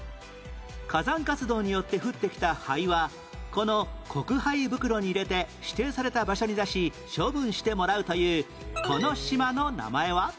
火山活動によって降ってきた灰はこの克灰袋に入れて指定された場所に出し処分してもらうというこの島の名前は？